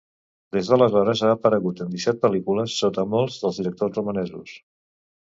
Des d'aleshores ha aparegut en disset pel·lícules, sota molts dels directors romanesos.